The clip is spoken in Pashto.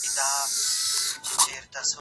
لمن لمن ماڼو شو او ګېډۍ ګېډۍ د سپاندې